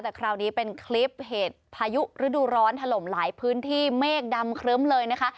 แต่คราวนี้เป็นคลิปเหตุพายุฤดูร้อนถล่มหลายพื้นที่เมฆดำครึ้มเลยนะคะ